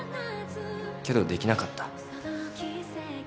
けどできなかった。